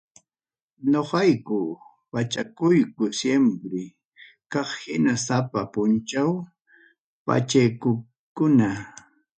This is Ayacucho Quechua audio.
Noqayku pachakuyku siempre kay hina sapa punchaw pachaykukuna.